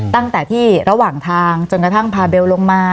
ตั้งแต่ที่ระหว่างทางจนกระทั่งพาเบลลงมา